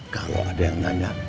kalau ada yang nanya